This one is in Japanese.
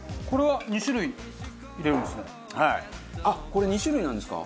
これ２種類なんですか？